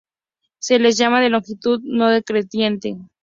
Se las llama de longitud no decreciente.